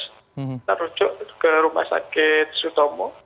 kita rujuk ke rumah sakit sutomo